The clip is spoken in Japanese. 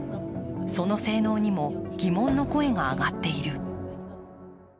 その性能にも疑問の声が上がっている。